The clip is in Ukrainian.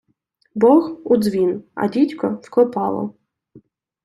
Бог — у дзвін, а дідько — в клепало.